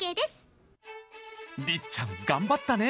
りっちゃん頑張ったね。